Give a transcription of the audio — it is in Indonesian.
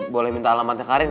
boleh minta alamatnya karin